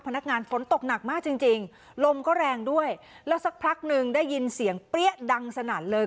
พนักงานฝนตกหนักมากจริงจริงลมก็แรงด้วยแล้วสักพักหนึ่งได้ยินเสียงเปรี้ยดังสนั่นเลย